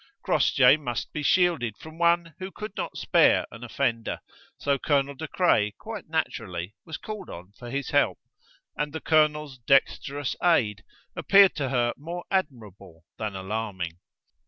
Crossjay must be shielded from one who could not spare an offender, so Colonel De Craye quite naturally was called on for his help, and the colonel's dexterous aid appeared to her more admirable than alarming.